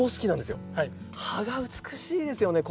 葉が美しいですよね